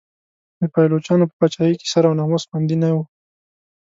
د پایلوچانو په پاچاهۍ کې سر او ناموس خوندي نه و.